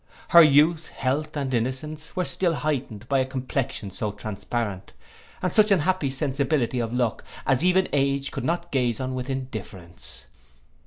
Her youth, health, and innocence, were still heightened by a complexion so transparent, and such an happy sensibility of look, as even age could not gaze on with indifference.